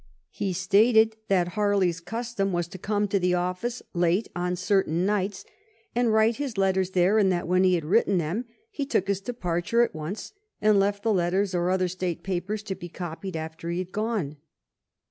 He stated that Harley's custom was to come to the office late on certain nights and write his letters there, and that when he had written them he took his depart ure at once, and left the letters or other state papers to be copied after he had gone.